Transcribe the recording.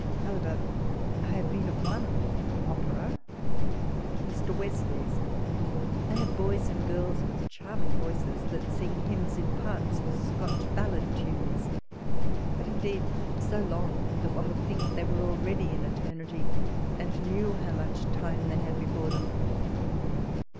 However, I have been at one opera, Mr. Wesley's. They have boys and girls with charming voices, that sing hymns, in parts, to Scotch ballad tunes ; but indeed so long, that one would think they were already in eternity, and knew how much time they had before them.